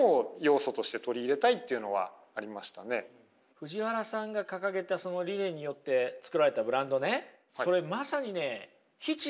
藤原さんが掲げたその理念によって作られたブランドねそれまさにね